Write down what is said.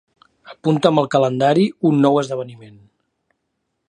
Apunta'm al calendari un nou esdeveniment.